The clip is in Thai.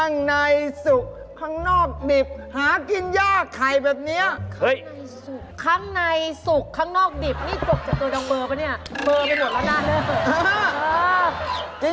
น้ำบอกเลยของดีคือ